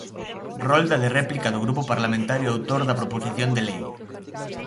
Rolda de réplica do Grupo Parlamentario autor da proposición de lei.